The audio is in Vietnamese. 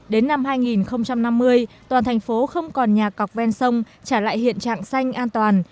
đến năm hai nghìn năm mươi toàn thành phố không còn nhà cọc ven sông trả lại hiện trạng xanh an toàn